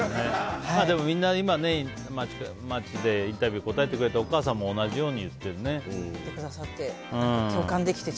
みんな、街でインタビューに答えてくれたお母さんも同じように言ってるね。